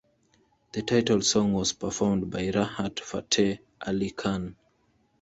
The title song was performed by Rahat Fateh Ali Khan.